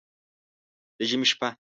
د ژمي شپه